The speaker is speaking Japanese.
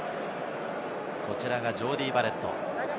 こちらはジョーディー・バレット。